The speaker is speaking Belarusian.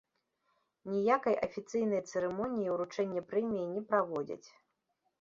Ніякай афіцыйнай цырымоніі ўручэння прэміі не праводзяць.